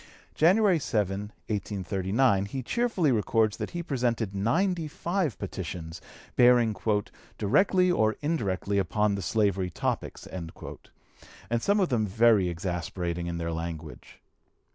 January 7, 1839, he cheerfully records that he presented ninety five petitions, bearing "directly or indirectly upon the slavery topics," and some of them very exasperating in their language.